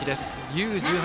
Ｕ−１８